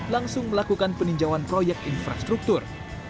langsung melakukan peninjauan proyek infrastruktur